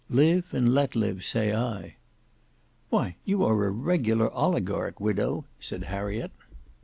Live and let live say I." "Why, you are a regular oligarch, widow," said Harriet.